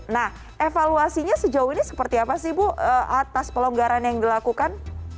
nah evaluasinya sejauh ini seperti apa sih bu atas pelonggaran yang dilakukan